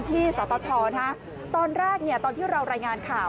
สตชตอนแรกตอนที่เรารายงานข่าว